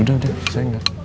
udah udah saya enggak